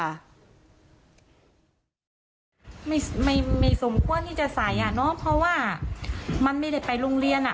ไม่สมควรที่จะใส่อ่ะเนาะเพราะว่ามันไม่ได้ไปโรงเรียนอ่ะ